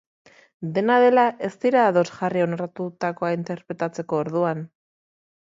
Dena dela, ez dira ados jarri onartutakoa interpretatzeko orduan.